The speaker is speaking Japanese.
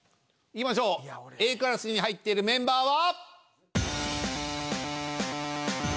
いきましょうＡクラスに入っているメンバーは？